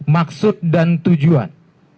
maksud dan tujuan